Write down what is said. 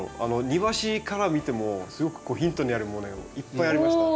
庭師から見てもすごくヒントになるものいっぱいありました。